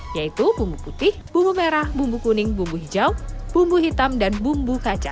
yaitu bumbu putih bumbu merah bumbu kuning bumbu hijau bumbu hitam dan bumbu kaca